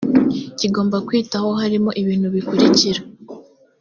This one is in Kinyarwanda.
kigomba kwitaho harimo ibintu bikurikira